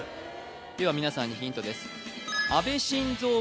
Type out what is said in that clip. では皆さんにヒントです